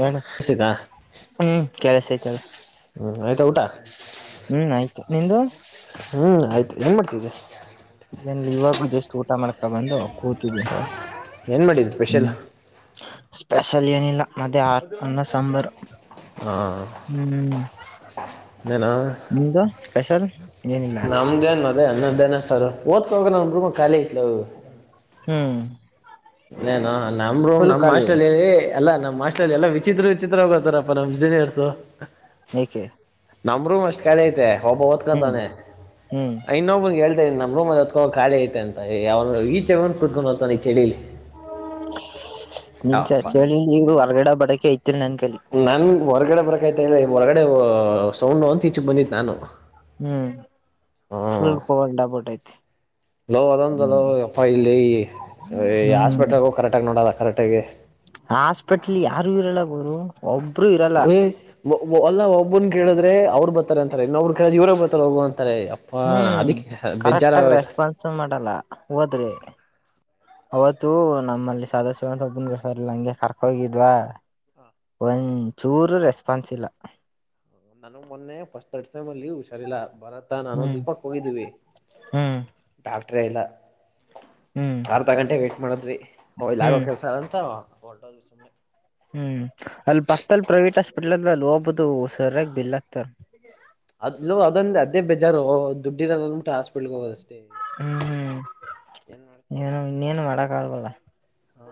ಹೇಳು ಸಿಗಾ ಹ್ಮ್ ಕೆಲಸ ಐತಿ ಏಳು ಹ್ ಆಯ್ತಾ ಊಟಾ. ಹ್ಮ್ ಆಯ್ತು ನಿಂದು ಹ್ಮ್ ಆಯ್ತು ಏನ್ ಮಾಡ್ತಿದಿಯಾ ಏನಿಲ್ಲ ಇವಾಗೂ ಜಸ್ಟ್ ಊಟ ಮಾಡ್ಕ ಬಂದು ಕೂತಿದೆ ಏನು ಮಾಡಿದ್ದು ಹ್ಮ ಸ್ಪೆಷಲ್ ಸ್ಪೆಷಲ್ ಏನಿಲ್ಲಾ ಮತ್ತೆ ಆ ಅನ್ನ ಸಾಂಬಾರ ಹಾ ಹ್ಮ್ ನಿಮ್ದು ಸ್ಪೆಷಲ್ ಏನಿಲ್ಲ ನಿಮ್ದು ಏನ್ ಮತ್ತ ಅದೇ ಅನ್ನದ್ದೇನ ಸಾರು ಓದ್ಕೋ ಹೋಗು ನಮ್ ರೂಮ್ ಖಾಲಿ ಐತಿ ಹೋಗು ಹ್ಮ್ ನು ನಮಗೂ ರೂ ಫುಲ್ ನಮ್ಮ್ ಖಾಲಿ ಹಾಸ್ಟೆಲ್ಲಿ ಅಲ್ಲ ನಮ್ಮ್ ಹಾಸ್ಟೆಲ್ಲಿ ಇ ಎಲ್ಲ ವಿಚಿತ್ರ ವಿಚಿತ್ರ ಹೋಗತಾರಪ್ಪ ನಮ್ಮ ಇಂಜಿನಿಯರ್ಸ್ ಯಾಕೆ ನಮ್ರೂಮ ಅಷ್ಟ್ ಖಾಲಿ ಐತೆ ಒಬ್ಬ ಹ್ಮ್ ಓದ್ಕತಾನೆ ಹ್ಮ್ ಇನ್ನೊಬ್ಬ ನಮ್ಮ ರೂಮಲ್ಲಿ ಓದಿಕೊ ಖಾಲೀ ಐತೆ ಅಂತ ಯ ಅವರು ಈಚೆ ಹೋಗಿ ಕುತ್ಕೊಂಡ ಹೋಗ್ತಾನೆ ಈ ಚಳಿಲಿ ನಿನ್ ಅಪ್ಪ ಚರ್ಚೆ ಹೇಳಿ ನೀರು ಹೊರಗಡೆ ಬಡಕೆ ಐತಿಲ್ ನನ್ ಕೈಲಿ ನನ್ ಹೊರಗಡೆ ಬರಕಾಯ್ತ ಇಲ್ಲಾ ಹೊರಗಡೆ ಸೌಂಡ್ ಅಂತ ಈಚ್ಚು ಬಂದಿದ್ದ ನಾನು ಹ್ಮ್ ಫುಲ್ ಕೋಲ್ಡ್ ಆಗಿಬಿಟೈತೇ ನೋ ಅದೊಂದುಲೋ ಅಪ್ಪ ಇಲ್ಲಿ ಹ್ಮ್ ಹಾಸ್ಪಿಟಲ್ಗೂ ಕರೆಕ್ಟಗಿ ನೋಡದ ಕರೆಕ್ಟಗಿ ಹಾಸ್ಪೆಟ್ಲ್ ಯಾರು ಇರಲ್ಲ ಗುರು ಒಬ್ರು ಇರಲ್ಲ [inaudible] ಒಲ್ಲ ಒಬ್ಬನ್ ಕೇಳಿದ್ರೆ ಅವ್ರು ಬರ್ತಾರೆ ಅಂತಾರೆ ಇನ್ನೊಬ್ ಕೇಳ ಇವ್ರಗ್ ಬರ್ತಾರ ಹೋಗು ಅಂತಾರೆ ಅದಕ್ಕೆ ಬೇಜಾರ ಆಗಿ ಹೋಗೈತೆ ರಿಸೀವ್ ಮಾಡಲ್ಲ ಹೋದ್ರಿ ಅವತ್ತು ನಮ್ಮಲ್ಲಿ ಸದಾಶಿವ ಒಬ್ಬಿಗೆ ಹುಷಾರ ಇರಲಿಲ್ಲ ಹಂಗೆ ಕರ್ಕೊಂಡ್ ಹೋಗಿದ್ವಾ ಒಂಚೂರು ರೆಸ್ಪಾನ್ಸ್ ಇಲ್ಲ ನನ ಮೊನ್ನೆ ಫಸ್ಟ್ ಥರ್ಡ್ ಸೇಮ್ ಅಲ್ಲಿ ಹುಷಾರಿಲ್ಲ ಬರತ್ ಮತ್ತ ನಾನು ಹ್ಮ್ ದೀಪಕ್ಕೆ ಹೋಗಿದ್ದೀವಿ ಹ್ಮ್ ಡಾಕ್ಟ್ರೇ ಇಲ್ಲ ಹ್ಮ್ ಅರ್ಧ ಗಂಟೆ ವೇಟ್ ಮಾಡಿದ್ವಿ ಹೋ ಇಲ್ಲ ಆಗೋ ಹ್ಮ್ ಕೆಲ್ಸ ಅಂತ ಹೊರಟುಹೋದ್ವಿ ಸುಮ್ಮ್ನೆ ಹ್ಮ್ ಅಲ್ಲಿ ಪಕ್ದಲಿ ಪ್ರೈವೇಟ್ ಹಾಸ್ಪಿಟ್ಲ್ ಅದ ಅಲ್ಲಿ ಹೋಗ್ಬುದು ಸರಿಯಾಗಿ ಬಿಲ್ ಆಗ್ತಾರ ಅದು ಅದೊಂದು ಅದೇ ಬಜಾರು ದುಡ್ಡಿ ಇರೋದು ಹಾಸ್ಪಿಟ್ಲ್ಗೆ ಹೋಗೋದ ಅಷ್ಟೇ ಹ್ಮ್ ಏನು ಇನ್ನೇನು ಮಾಡಕ್ ಆಗಲವಲ್ಲ ಹಾ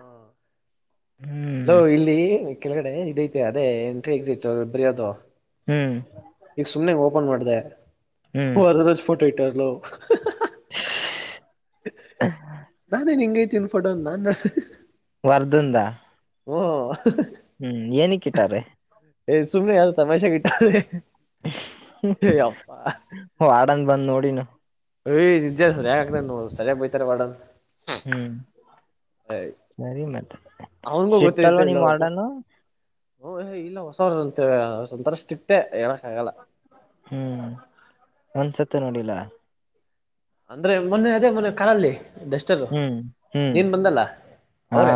ಲೋ ಹ್ಮ್ ಇಲ್ಲಿ ಕೆಳಗಡೆ ಇದಐತೆ ಅದೇ ಎಂಟ್ರಿ ಎಕ್ಸಿಟ್ ಬರಯೋದು ಹ್ಮ್ ಈಗ ಸುಮ್ನೆ ಓಪನ್ ಮಾಡದೆ ಹ್ಮ್ ಹೊರಗ್ದಷ್ಟು ಫೋಟೋ ಇಟ್ಟರಲೋ ನಾನೇ ಹಿಂಗ್ ಐತೆ ನೀನ್ ಫೋಟೋ ನಾನ್ ನೋಡ್ತಾ ಇದೀನಿ ವರ್ದಂದಾ ಹೂ ಹ್ಮ್ ಏನಕ್ಕ ಇಟ್ಟಾರೆ ಏ ಸುಮ್ಮನೆ ಯಾವದೋ ತಮಾಷೆಗೆ ಇಟವ್ರೆ ಹೊ ವಾರ್ಡನ್ ಬಂದ ನೋಡಿನ ಏ ನಿಜ ಸರಿ ಯಾಕರಿ ಸರಿಯಾಗಿ ಬೈಯತಾರೆ ವಾರ್ಡನ್ ಹ್ಮ್ ಸರಿ ಮತ್ತ ಅವನ್ಗೂ ಸ್ಟ್ರಿಕ್ಟ್ ಅಲ್ಲವಾ ನಿಮ್ಮ ವಾರ್ಡನ್ ಹಓ್ ಏ್ ಇಲ್ಲ ಹೊಸವ್ರ ಅ ಸಂತಸ್ ಸಿ ಇಟ್ಟೆ ಹೇಳಕ್ ಆಗಲ್ಲ ಹ್ಮ್ ಒಂದ್ಸತ್ತು ನೋಡಿಲ್ಲ ಅಂದ್ರೆ ಮೊನ್ನೆ ಅದೇ ಮೊನ್ನ ಕಾಲಲ್ಲಿ ಡಸ್ಟರು ಹ್ಮ್ ಹ್ಮ್ ನೀನ್ ಬಂದಲ್ಲ ಅವರೇ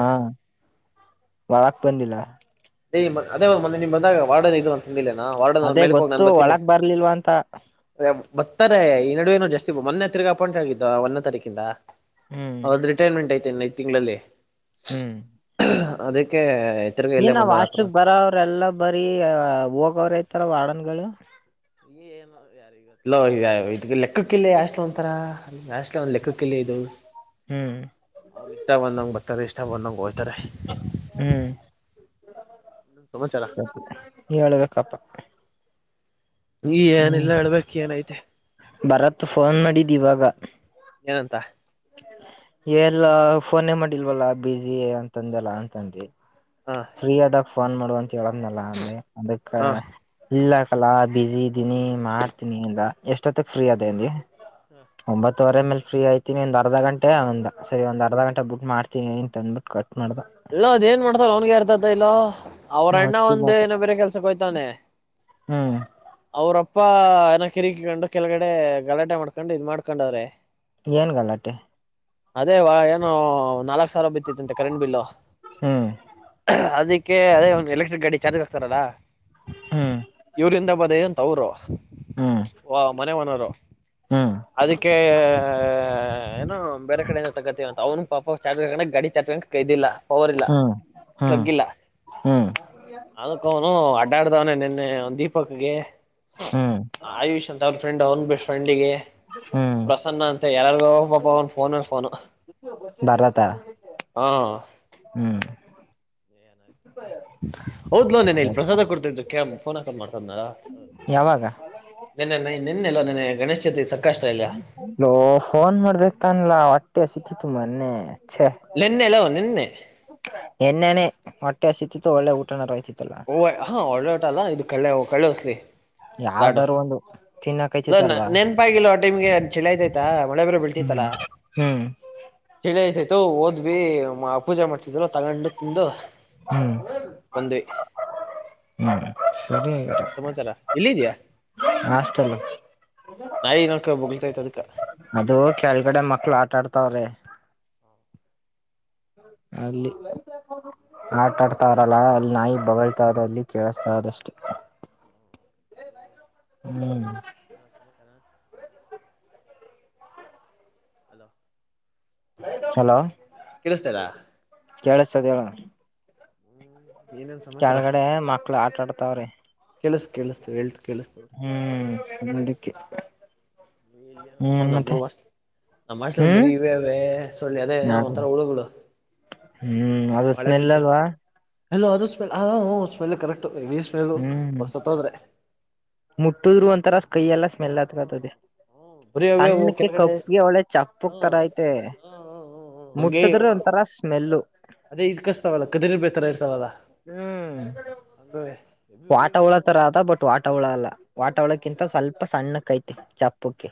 ವಳಾಕ್ ಪ ದಲ್ಲ ಅದೇ ನಿಮ್ ಬಂದಾಗ ವಾರ್ಡನ್ ಇದು ಅಂತಂದಿಲ್ಲನಾ ವಾರ್ಡನ್ ಅದೇ ಮೇಲ್ಕ ಹೋಗ್ ಗೊತ್ತು ನಾನನ್ ಬರ್ತಿನನೆ ಒಳಗ್ ಬರ್ಲಿಲ್ವಾ ಅಂತ ಬರ್ತಾರೆ ಈ ನಡುವೆೇನು ಜಾಸ್ತಿ ಮೊೆ ಹಿಗ ಅಪಾಯಿಂಟ್ ಆಗಿದ್ದು ಒಂದೇ ತಾರೀಕಿಂದ ಹ್ಮ್ ಅವದ್ ರಿಟೈರ್ಮೆಂಟ್ ಐ್ತೆನೆಐ್ ತಿಂಗಳಲ್ಲಿ ಹ್ಮ್ ಅದಕ್ಕೆ ಇತ್ರ ಕ ಎಲ್ಲ ವಾಷ್ರ ಬರ ಅವ್ರೆಲ್ಲಾ ಬರಿೀ ಹೋಗವ್ರ ಐತಾರ ವಾಡನ್ಗಳು ಈಏ ಯ ಲೆಕ್ಕಕ್ಕಿಿಲ್ಲ ಯಾಸ್ಲ ಒಂತರ ಯಾಸ್ಲ ಒ ಲೆಕ್ಕಕ್ಕಿಲ್ಲ ಇದು ಹ್ಮ್ ಅವ್ರಿಗೆ ಇಷ್ಟ ಬಂದಂಗೆ ಬರ್ತಾರೆ ಇಷ್ಟ ಬಂದಂಗೆ ದ್ತಾರೆ ಹ್ಮ್ ಇ ಸಮಾಚಾರ ಹೇಳ್ಬೇಕಪ್ಪ ನೀ ಹ್ಮ್ ಏನಲ್ಲ ಹೇಳ್ಬೇಕಕ್ ಏನಐತೆ ಭರತ್ ಫೋನ್ ಮಾಡಿದ್ ಇವಾಗ ಏನಂತ ಎಲ್ಲ ಫೋನೇ ಮಾಡಿಲ್ವಲ್ಲ ಬಸಿ ಅಂತಂದಲ್ಲ ಅಂತಂದಿ ಹ ಫ್ರೀ ಆದಾಗ ಫೋನ್ ಮಾಡುವ ಅಂತ ಹೇಳದ್ನಲ್ಲ ಅಂದೆ ಅದಕ್ಕ ಹ ಇಲ್ಲಾಕಲ್ಲ ಬಿಜಿ ಇದ್ದೀನಿ ಮಾಡ್ತೀನಿ ಅಂದ ಎಷ್ಟೊತ್ತಕ್ ಫ್ರೀ ಆದೆ ಅಂದೆ ಒಂಬತ್ತುವರೆ ಮೇಲೆ ಫ್ರೀ ಆಯ್ತು ಇಿನಿ ಅರ್ಧ ಗಂಟೆ ಒಂದ ಸರಿ ಒಂದ ಅರ್ಧ ಗಂಟೆ ಬುಟ್ಟ ಮಾಡ್ತೀನಿ ಅಂತ ಅಂದ್ಬಿಟ್ಟ ಕಟ್ ಮಾಡ್ದ ಇಲ್ಲ ಅದ ಏನ್ ಮಾಡ್ತಾರ ಅವ್ನಗ ಅರ್ಥತ ಇಲ್ಲಾ ಅವ್ರ ಅಣ್ಣ ಗೊತ್ತಿಲ್ಲ ಒಂದ ನೋ ಬೇರೆ ಕೆಲ್ಸಕ್ಕೆ ಹೋಯ್ತಾನೆ ಹ್ಮ್ ಅವ್ರಪ್ಪ ಏನ ಕಿರಿಕ ಕೊಂಡು ಕೆಲಗಡೆ ಗಲಾಟೆ ಮಾಡ್ಕೊಂಡು ಇದ ಮಾಡ್ಕೊಂಡವ್ರೆ ಏನ್ ಗಲ್ಲಾಟೆ ಅದೇ ವ ಏನೋ ನಾಲ್ಕ್ ಸಾವಿರ ಬಿತ್ತಿತ್ತಂತೆ ಕರೆಂಟ್ ಬಿಲ್ಲು ಹ್ಮ್ ಅದಿಕ್ ಅಕೆ ಅದೇ ಒಂದು ಎಲೆಕ್ಟ್ರಿಕ್ ಗಾಡಿ ಚಾರ್ಜ್ ಆಗ್ತಾರಲಾ ಹ್ಮ್ ಇವ್ರಂದ ಬದಂತ ಅವರು ಹ್ಮ್ ವ ಮನೆ ಓನರ್‌ ಹ್ಮ್ ಅದಕ್ಕೆ ಏನೋ ಬೇರೆ ಕಡೆೆಯಿಂದ ತಗತಿವ ಅಂತ ಅವ್ನು ಪಾಪ ಚಾ ಗಡಿ ಚಾಚ್ಕಕಕ್ ಕೈ್ದಿಲ್ಲ ಪವರ್ ಇಲ್ಲ ಹ್ಮ್ ಹ್ಮ್ ಪ್ಲಗ್ ಇಲ್ಲ ಹ್ಮ್ ಅದಕ್ಕ ಅವನು ಅಡ್ಡಾಡ್ದವನ ನಿನ್ನೆ ಒ ದೀಪಕ್ಗೆ ಹ್ಮ್ ಆಯುಷ್ ಅಂತ ಅವ್ರ ಫ್ರೆಂಡ್ ಅವ್ನ್ ಬಿ ಫ್ರೆಂಡಿಗೆ ಹ್ಮ್ ಪ್ರಸನ್ನ ಅಂತ ಯೊರ್ಗೂ ಒಬ್ಬ ಪೋನೆ ಫೋನು ಭರತ ಹಾ ಹ್ಮ್ ಏನ ಆಯ್ತು ಹೌದ್ ಲೋ ನಿನ್ನೆ ಇಲ್ಲಿ ಪ್ರಸಾದ ಕೊಡ್ತು ಕೇಳಮ್ಫೋನ್ ಆಫರ್ ಹಾಕೊಂಡ ಮಾಡ್ತದ್ನಾರ ಯಾವಾಗ ನನ್ನ ನಿನ್ನೆಲ್ಲ ನನ್ನ ಗಣೇಶ್ ಚತುರ್ಥಿ ಸಂಕಷ್ಟ ಇಲ್ಲಾ ಲೋ ಫೋನ್ ಮಾಡ್ಬೇಕಕ್ ತನ್ಲ ಹೊಟ್ಟೆ ಹಸತಿತ್ತುು ಮೊನ್ನೆ ಛೆ ನಿನ್ನೆಲೋ ನಿನ್ನೆ ಎಣ್ಣೆನೆ ಹೊಟ್ಟೆ ಹಸತಿತ್ತು ಒಳ್ಳೆ ಊಟ ನರಯ್ತಿತ್ತು ಓ ಹಾ ಒಳ್ಳೆ ಓಟ ಅಲ್ಲಾ ಇದು ಕಳ್ಳೆ ಕಳ್ಳೆ ಹೊಸಲಿ ಯಾವ್ದಾರೂ ಒಂದು ತಿನ್ನಕ್ಕಯ್ತಾತ್ತಲ್ಲವಾ ಪ್ಪ ಆ ಟೈಮ್ಗೆ ಚಳಿ ಆಯ್ತಾಯ್ತಾ ಮಳೆ ಬೇರೆ ಹ್ಮ್ ಬೀಳ್ತೈತ್ತಲ್ಲಾ ಹ್ಮ್ ಚಳಿ ಆಯ್ತಾಯ್ತು ಓದ್ವಿ ಪೂಜೆ ಮಾಡ್ಸದ್ರು ತಗೊಂಡು ತಿಂದು ಹ್ಮ್ ಒಂದೇ ಹ್ಮ ಸರಿ ಆ ಸಮಾಚಾರ ಎಲ್ಲಿದ್ಯಾ ಹಾಸ್ಟೇಲ್ ನಾಯಿ ನೋಡ್ಕೊ ಬೋಗಲತೈ್ತ ಅದಕ್ಕ ಅದು ಕೆಳಗಡೆ ಮಕ್ಳ ಆಟ ಆಡ್ತಾವ್ರೆ. ಅಲ್ಲಿ [unintelligible] ಆಟ ಆಡ್ತಾರಲ್ವಾ ಅಲ್ಲಿ ನಾಯಿ ಬೊಗಳ್ತಾ ಇದೆ ಅಲ್ಲಿ ಕೇಳಿಸ್ತಾ ಅದ ಅಷ್ಟೇ. [unintelligible] ಏನ್ ಸಮಾಚಾರ ಹಲೋ ಹಲೋ ಕೇಳಿಸ್ತಾ ಇಲ್ಲಾ ಕೇಳಿಸತದ ಹೇಳಣ ಏನೇನ್ ಸಮಾಚಾರ ಕೆಳಗಡೆ ಮಕ್ಳು ಆಟ ಆಡ್ತಾವ್ರೆ ಕೇಳಸ್ತು ಕೇಳಿಸ್ತು ಹೇಳದ ಕೆಳಸ್ತುದೆ. ಹ್ಮ ಮುಂದಕ್ಕೆ ಇಲ್ಲೆ ನಪ್ಪ ನಂಬ್ರೂವಾ ನಮ್ಮ ಹಾಸ್ಟಲಲ್ಲಿ ಬರಿ ಹ್ಮ್ ಇವೆ ಅವೇ ಸೊಳ್ಳಿ ಅದೇ ಏನೋ ಯಾರು ಒಂಥರ ಹುಳುಗಳು. ಹ್ಮ್ ಅದು ಸ್ಮೆಲ್ ಅಲ್ವಾ. ಹಲೋ ಅದು ಸ್ಮೆಲ್ ಹ ಹೊ ಅದು ಸ್ಮೆಲ್ ಕರೆಕ್ಟ್ ಇ ಹ್ಮ್ ಮುಟ್ಟುದ್ರು ಒಂತರ ಕೈ ಎಲ್ಲ ಸ್ಮೆಲ್ ಆತ್ಕತದೆ. ಬರಿ ಅವೇ ಸಣ್ಣಕ್ಕೆ ಕೆಳಗಡೆ ಕಪ್ಪಿಗೆ ಒಳ್ಳೆ ಹಾ ಚಪ್ಪಕ್ ತರ ಐತೆ. ಹಾ ಹಂಗೆ ಮುಟ್ಟಿದ್ರೆ ಒಂಥರ ಸ್ಮೆಲ್ಲು. ಅದೇ ಈ ಕಚತವಲ್ಲ ಕಟ್ಟಿರ್ವೆ ತರಾ ಇರ್ತಾವಲ್ಲ ಹ್ಮ್ ಹಂಗವೇ. ವಾಟ ಹುಳ ತರ ಅದ ಬಟ್ ವಾಟ ಹುಳ ಅಲ್ಲ ವಾಟ ಹಾ ಹುಳಕ್ಕಿಂತ ಸ್ವಲ್ಪ ಸಣ್ಣ ಕೈತಿ ಚಪ್ಪಕ್ಕೆ.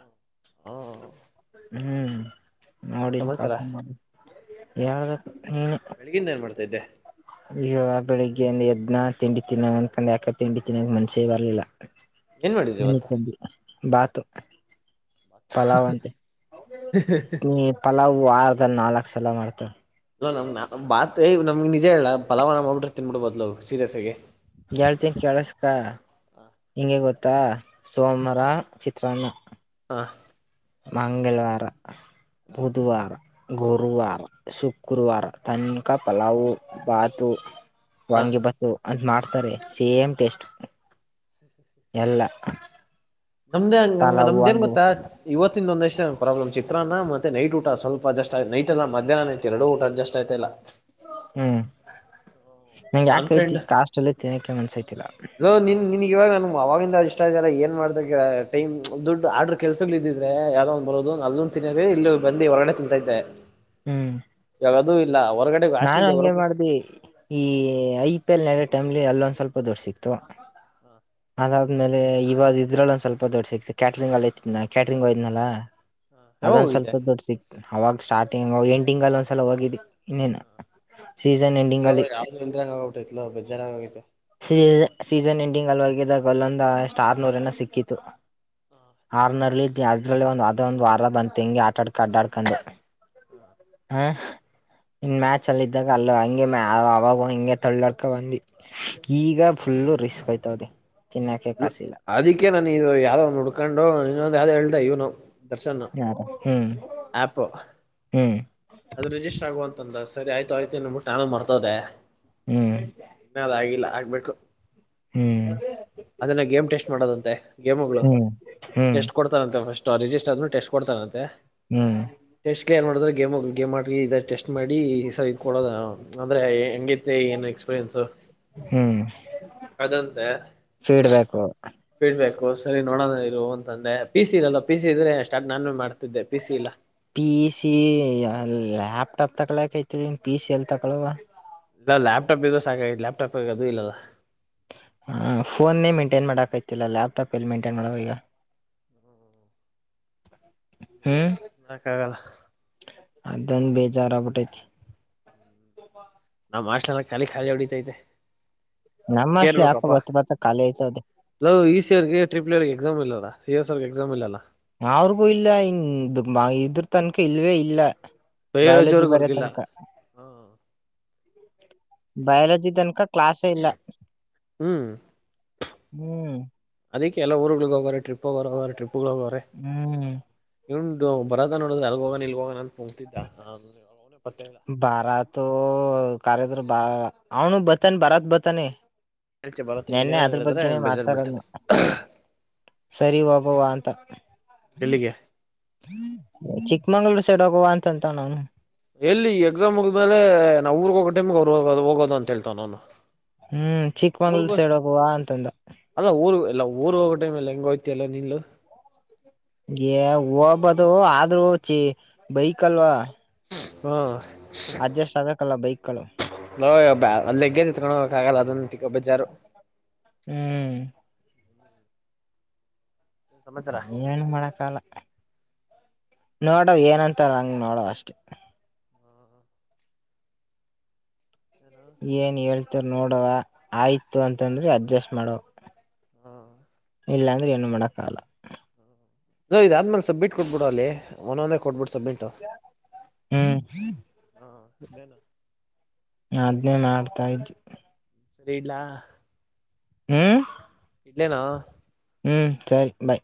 ಹಾ ಹ್ಮ್ ನೋಡನ್ ಸಮಾಚಾರ ಪಾಪ [unintelligible] ಹೇಳ್ಬೇಕು ನೀವೆ. ಬೆಳಗಿಂದ ಏನ್ ಮಾಡ್ತಾಯಿದ್ದೆ. ಅಯ್ಯ ಬೆಳಿಗ್ಗೆ ಯಿಂದ ಎದ್ನ ತಿಂಡಿ ತಿನ್ನವ ಅಂದಕಂಡ್ ಯಾಕ ತಿಂಡಿ ತಿನ್ನಂದ ಮನ್ಷ್ಯ ಬರ್ಲಿಲ್ಲ. ಏನ್ ಮಾಡಿದ್ರಿ ಇವತ್ತು [unintelligible] ಬಾತು ಪಲ್ಲವಂತೆ [unintelligible] ಪಲಾವವು ವಾರದಲ್ಲಿ ನಾಲ್ಕು ಸಲ ಮಾಡ್ತವೆ. ಅಲ್ಲ ನಮ [unintelligible] ನಮ್ ಬಾತೆ ನಿ ನಿಜೇ ಹೇಳಲ್ಲ ಫಲ್ಲವಾನ ಮಾದ್ಬಿಟ್ರೆ ತಿನ್ನುಬುಡಬಹುಲೋ ಸೀರಿಯಸ್ ಆಗಿ. ಎಳ್ತನ್ ಕೇಳಸ್ಕ. ಹೆಂಗೆ ಗೊತ್ತಾ ಸೋಮವಾರ ಚಿತ್ರಾನ್ನ. ಹಾ ಮಂಗಳವಾರ ಬುಧವಾರ ಗುರುವಾರ ಶುಕ್ರವಾರ ತನಕ ಪಲಾವು ಬಾತು ಹ ವಾಂಗಿ ಭಾತು ಅಂತ್ ಮಾಡ್ತಾರೆ ಸೇಮ್ ಟೇಸ್ಟ್. [inaudible] ಎಲ್ಲ ನಮ್ದ ಹಂಗಂಗ ಪಲಾವು ನಮ್ದೇಏನ್ ಗೊತ್ತಾ. ವಾಂಗಿಬಾತು ಇವತ್ತಿಂದ ಒಂದೆಷ್ಟು ಪ್ರಾಬ್ಲಮ್ ಚಿತ್ರಾನ್ನ ಮತ್ತೆ ನೈಟ್ ಊಟ ಸ್ವಲ್ಪ ಅಜಸ್ಟ್ ನೈಟೆ ಮಧ್ಯಾಹ್ನನೆ ಎರಡು ಊಟ ಅಡ್ಜಸ್ಟ್ ಆಯ್ತಯಿಲ್ಲ. ಹ್ಮ್ ನಂಗೆ ನನ್ ಯಾಕೈತಿ ಕಾಸ್ಲ್ ತಿನಕ್ಕೆ ಮನ್ಸೈತಿಲ್ಲ ಹಲೋ ನಿನ್ ನಿನ್ಗೆ ಇವಾಗ ನಗೆ ಆವಾಗಿಂದ ಅ ಇಷ್ಟ ಆಲ್ಲ ಏನ್ ಮಾಡಕ್ಕೆ ಟೈಮ್ ದುಡ್ಡು ಆರ್ಡ್ರ ಕೆಲ್ಸಗಳ್ ಇದ್ದಿದ್ರೆ ಯಾವ್ದ ಒಂದು ಬರೋದ ಆದುನು ತಿನ್ನ್ರ ಇಲ್ಲಿ ಬಂದುಿ ಹೊರಗಡೆ ತಿಂತಯಿದ್ದೆ. ಹ್ಮ್ ಇವಾಗದು ಇಲ್ಲ ಹೊರಗಡೆ ಹಾಸ್ಟೆಲ್ ನಾನು ಇದೆ ಹಂಗೆ ಹೊರಗ ಮಾಡ್ದ ಈ ಐ ಪಿ ಎಲ್ ನಡಯೋ ಟೈಮ್ಲಿ ಅಲ್ಲೊಂದ್ ಸ್ವಲ್ಪ ದೊಡ್ ಸಿಕ್ತು. ಅದಾದ್ಮೇಲೆ ಇವಾಗ ಇದ್ರಲ್ಲ ಒಂದ್ ಸ್ವಲ್ಪ ದೊಡ್ಡ ಸಿಕ್ತತಿ ಕ್ಯಾಟ್ರರಿಂಗ್ ಅಲ್ಲೈಐನ ಕ್ಯಾಟರಿಂಹೋಗಿದ್ನಲ್ಲ ನಾ ಯಾವಾಗ ಅದೊಂದು ದ ಸ್ವಲ್ಪ ಹೋಗಿದ್ದೆ ದೊಡ್ಡ ಸಿಕ್ ಅವಾಗ ಸ್ಟಾರ್ಟಿಂಗ್ ಎಂಟಿಂಗ್ ಅಲ್ಲಿ ಒಂದ್ಸಲ ಹೋಗಿದ್ದಿ ಇನ್ನೇನು ಸೀಸನ್ ನಾನ ಎಂಡಿಂಗ್ ಅಲ್ಲಿ [unintelligible] ಯಾವ್ದ್ ಬಂದರಂಗ ಆಗಬಿಟ್ಟೈತ್ಲ ಬೆಜಾರಂಗ ಆಗೈತೆ ಸೀಸನ್ ಎಂಡಿಂಗ್ ಅಲ್ವಾಗಿದ್ದಾಗ ಅಲ್ಲೊಂದ ಅಷ್ಟ ಆರ್ನೂರನ ಸಿಕ್ಕಿತ್ತು. ಆರನಲ್ಲಿ ಇದ ಅದ್ರಲ್ಲಿ ಒಂದು ಅದ ಒಂದು ವಾರ ಬಂತ ಹಿಂಗೆ ಆಟ ಆಡ್ಕೊಂಡು ಆಡ್ಡಾಡ್ಕಂಡು ಹಾ [unintelligible] ಇನ್ ಮ್ಯಾಚ್ ಅಲ್ಲಿ ಇದ್ದಾಗ ಅಲ್ಲು ಹಂಗೆ ಮ ಅವಾಗ ಹಿಂಗೆ ತಳ್ಳಾಡ್ಕ ಬಂದಿ ಈಗ ಫುಲ್ಲು ರಿಸ್ಕ್ ಯ್ತಾವದಿ ತಿನ್ನಾಕೆ ಕಾಸಿಲ್ಲ. ಅದಕ್ಕೆ ನಾನು ಇದು ಯಾವ್ದದೋ ಒಂದು ಹುಡ್ಕೊಂಡು ಇನ್ನೊಂದು ಯಾವ್ದು ಹೇಳ್ದ ಇವ್ನು. ಯಾರು ಹ್ಮ್. ಆಪ್ಪು ಹ್ಮ್ ಅದು ರಿಜಿಸ್ಟರ್ ಆಗುವಂತ ಅಂದ ಸರಿಯ್ತು ಆಯ್ತು ಅಂದು ಬಿಟ್ಟು ನಾನು ಮಾರ್ತೊದೆ ಹ್ಮ್. ಇನ್ನದ ಆಗಿಲ್ಲ ಆಗ್ಬೆಕು. [unintelligible] ಹ್ಮ್ ಅದೆನ್ನೊ ಗೇಮ್ ಟೆಸ್ಟ್ ಮಾಡದಂತೆ. ಗೇಮುಗಳು ಹ್ಮ್ ಹ್ಮ್ ಟೆಸ್ಟ್ ಕೊಡ್ತಾರಂತೆ ಫಸ್ಟ್ ಆ ರಿಜಿಸ್ಟರ್ ಟೆಸ್ಟ್ ಕೊಡ್ತಾರಂತೆ ಹ್ಮ್ ಟೆಸ್ಟ್ ಏ ಮಾಡ್ರ ಗೇಮ್ ಗೇಮ್ ಮಾಡಿ ಇದ ಟೆಸ್ಟ್ ಮಾಡಿ ಈ ಸರ್ ಇದ್ಕೊಳ್ಳೋದ ಅಂದ್ರೆ ಹೆಂಗ ಏನ್ ಎಕ್ಸ್ಪೀರಿಯನ್ಸ್ ಹ್ಮ್ [unintelligible] ಅದಂತೆ ಫೀಡ್ಬ್ಯಾಕು. ಫೀಡ್ಬ್ಯಾಕು ಸರಿ ನೋಡೋಣ ಇರು ಅಂತಂದೆ ಪಿ ಸಿ ಇರಲ್ಲ ಪಿ ಸಿ ಇದ್ರೆ ಸ್ಟಾರ್ಟ್ ನಾನು ಮಾಡ್ತಿದ್ದೆ ಪಿ ಸಿ ಇಲ್ಲ. ಪಿ ಸಿ ಲ್ಯಾಪ್ಟಾಪ್ ತಕಳಕೈತಿರಿ ಪಿ ಸಿ ಎಲ್ ತಗಳುವ ದ ಲ್ಯಾಪ್ ಟಾಪ್ ಇದ್ರ ಸಾಕಾಗೆತಿ ಲ್ಯಾಪ್ಟಾಪ್ ಈಗ ಅದು ಇಲ್ಲಲ ಹಾ ಫೋನ್ನೇ ಮೆಂಟೈನ್ ಮಾಡಕೈತಿಲ್ಲ ಲ್ಯಾಪ್ಟಾಪ್ ಎಲ್ಲಿ ಮೈಂಟೈನ್ ಮಾಡ ಈಗ. ಹ್ಮ [inaudible] ಹ್ಮ್ [unintelligible] ಕ್ಕಾಗಲ್ಲ ಅದಂದ ಬೇಜಾರ ಆಗ್ಬಿಟ್ಟೈತಿ. ನಮ್ಮಹಾಷ್ಟಲ್ಲೆಲ್ಲ ಖಾಲಿ ಖಾಲಿ ಹೊಡಿತೈತೆ. ನಮ್ಮ ಹಾಷ್ಟಲು ಯಾಕೋ ಬತ್ತ ಬತ್ತ ಖಾಲಿ ಐತದದೆ. ಲೋ ಇ ಸಿ ಅವರ್ಗೆ ಟ್ರಿಪ್ ಲೆವೆಲ್ ಗೆ ಎಕ್ಸಾಮ್ ಇಲ್ಲ ಸಿ ಎಸ್ ರ್ಗೆ ಎಕ್ಸಾಮ್ ಇಲ್ಲಲ್ಲ. ಅವ್ರಿಗೂ ಇಲ್ಲ ಇನ್ ಇದ್ರ ತನಕ ಇಲ್ವೇ ಇಲ್ಲ ಬಯಾಲಜಿ ಬರೆ ತನಕ ಹಾ ಹ್ಮಾ. ಬಯಾಲಜಿತನಕ ಕ್ಲಾಸ ಇಲ್ಲ [unintelligible] ಹ್ಮ್ ಹ್ಮ್ ಅದಕ್ಕೆ ಎಲ್ಲ ಊರಗೊಳಿಗೆ ಹೋಗಾರೆ ಟ್ರಿಪ್ ಹೋಗಾರ ಅದರೆ ಟ್ರಪ್ ಗಳು ಹೋಗಾರೆ. ಹ್ಮ್. ಇಂಡು ಬರದ ನೋಡಿದ್ರೆ ಅಲ್ಲಿಗೆ ಹೋಗನ ಇಲ್ಗಿ ಹೋಗ ಅಂತ ನಿಂತಿದ್ದ [unintelligible] ಪತ್ತೆಯಿಲ್ಲ. ಬಾರಾತೊ ಕಾರದ್ರ ಬಾ ಅವನು ಬತಾನೆ ಬರದ ಬತಾನೆ. ಹೇಳ್ತಿ ಬರೋ ತಿಂಗ್ ನೆನ್ನೆ ಇನ್ನೇನ ಅದ್ರ ಹೇಳಿದ್ರೆ ಬಗ್ಗೆನೇ ಬೇಜಾರ್ ಮಾತಾಡನು ಬೀಳ್ತಾನೆ ಸರಿ ಹೋಗೋವ ಅಂತ. ಡೆಲ್ಲಿಗೆ ಚಿಕ್ಕಮಂಗ್ಳೂರ್ ಸೈಡ್ ಹೋಗುವ ಅಂತಂತವನ ಅವನು ಎಲ್ಲಿ ಎಕ್ಸಾಮ್ ಮುಗ್ದ್ಮೇಲೆ ನಾವು ಊರ್ಗೋಗ ಟೈಮ್ ಅವ್ರು ಹೋಗೋದು ಅಂತ ಹೇಳ್ತಾವ್ನ ಅವನು. ಹ್ಮ್ ಊರ್ಗ ಚಿಕ್ಮಂಗ್ಳೂರ್ ಸೈಡ್ ಹೋಗುವ ಅಂತಂದ ಅಲ್ಲ ಊರು ಎಲ್ಲ ಊರು ಹೋಗೋ ಟೈಮ್ಲೀ ಹೆಂಗ ಹೋಯತಿಯಲ್ಲ ನಿಲ್ಲು. ಏ ಹೋಗಬದು ಆದ್ರೂ ಚಿ ಬೈಕ್ ಅಲ್ವಾ [unintelligible] ಹ್ಮಾ ಅಡ್ಜಸ್ಟ್ ಆಗ್ಬೇಕಲ್ಲ ಬೈಕ್ ಗಳು. ಲೊ ಯಬ್ಯಾಲಗ್ಗೆಜ ಯತ್ಕೊಂಡ ಹೋಗೊಕಾಗಲ್ಲ ಅದೊಂದು ಬೇಜಾರು. ಹ್ಮ್. ಸಮಾಚಾರ ಏನೂ ಮಾಡಕಲ್ಲ ನೋಡವ್ ಏನಂತಾರ ಹಂಗ ನೋಡವ್ ಅಷ್ಟೇ. [inaudible] ಏನ್ ಹೇಳ್ತಾರ ನೋಡವ ಆಯ್ತು ಅಂತಂದ್ರೆ ಅಡ್ಜಸ್ಟ್ ಮಾಡವ [inaudible] ಇಲ್ಲಾಂದ್ರೆ ಏನು ಮಾಡಕ್ಕಾಗಲ್ಲ. ಲೊ ಇದ ಆದ್ಮೇಲೆ ಸಬ್ಮಿಟ್ ಕೊಟ್ಬಿಡು ಅಲ್ಲಿ ಒಂದೊಂದೇ ಕೊಟ್ಬಿಡು ಸಬ್ಮಿಟ್. [unintelligible] ಹ್ಮ್. ಹ್ಮಾ [unintelligible] ನಾ ಅದ್ನೇ ಮಾಡ್ತಾ ಇದ್ದೆ. ಸರಿ ಇಡ್ಲ್ಲಾ ಹ್ಮ ಇಲ್ಲೇನಾ ಹ್ಮ್ ಸರಿ ಬಾಯ್